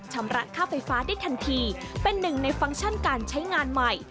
ชำระค่าไฟฟ้าได้ทันทีเป็นหนึ่งในฟังก์ชั่นการใช้งานใหม่